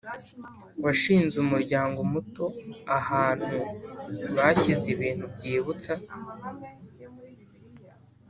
washinze umuryango muto ahantu bashyize ibintu byibutsa